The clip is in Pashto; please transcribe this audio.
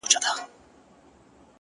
گراني اتيا زره صفاته دې په خال کي سته”